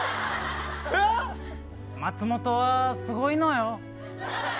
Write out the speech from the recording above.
松本は、すごいのよ。